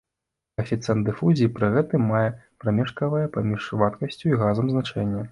Каэфіцыент дыфузіі пры гэтым мае прамежкавае паміж вадкасцю і газам значэнне.